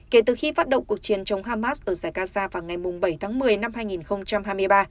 kể từ khi phát động cuộc chiến chống hamas ở giải gaza vào ngày bảy tháng một mươi năm hai nghìn hai mươi ba